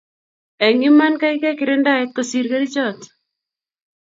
eng iman keikei kirindaet kosir kerichot